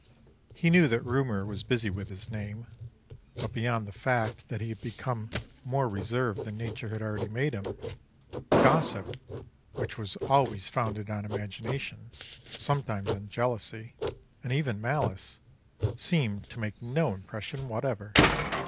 He knew that rumour was busy with his name, but beyond the fact that he became more reserved than nature had already made him, the gossip, which was always founded on imagination, sometimes on jealousy, and even malice, seemed to make no impression whatever.